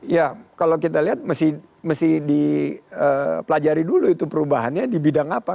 ya kalau kita lihat mesti dipelajari dulu itu perubahannya di bidang apa